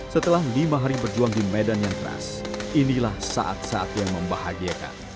setelah lima hari berjuang di medan yang keras inilah saat saat yang membahagiakan